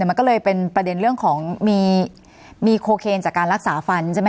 มันก็เลยเป็นประเด็นเรื่องของมีโคเคนจากการรักษาฟันใช่ไหม